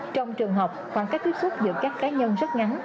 trong trường học khoảng cách tiếp xúc giữa các cá nhân rất ngắn